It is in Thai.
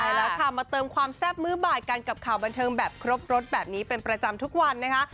ใช่แล้วค่ะมาเติมความแซ่บมือบ่ายกันกับข่าวบันเทิงแบบครบรถแบบนี้เป็นประจำทุกวันนะคะ